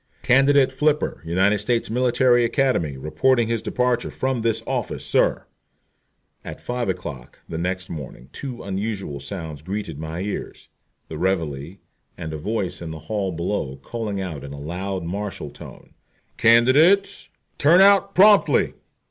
"Candidate F , United States Military Academy, reports his departure from this office, sir." At five o'clock the next morning two unusual sounds greeted my ears the reveille, and a voice in the hall below calling out in a loud martial tone: "Candidates, turn out promptly!"